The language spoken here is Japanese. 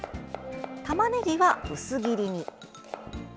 たまねぎは薄切りに。